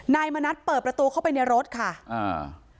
นายมณัฐเปิดประตูเข้าไปในรถค่ะอ่า